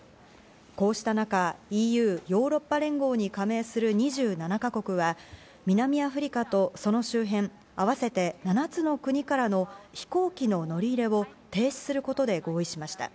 こうした中、ＥＵ＝ヨーロッパ連合に加盟する２７か国は、南アフリカなどその周辺、合わせて７つの国からの飛行機の乗り入れを停止することで合意しました。